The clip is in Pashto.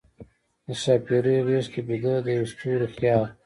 د ښاپیرۍ غیږ کې بیده، د یوه ستوری خیال